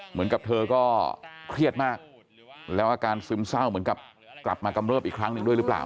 เหมือนกับเธอก็เครียดมากแล้วอาการซึมเศร้าเหมือนกับกลับมากำเริบอีกครั้งหนึ่งด้วยหรือเปล่า